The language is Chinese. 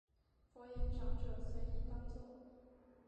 佛言长者随意当作。